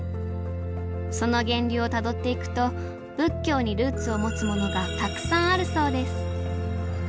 その源流をたどっていくと仏教にルーツを持つものがたくさんあるそうです。